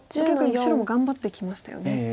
結構今白も頑張ってきましたよね。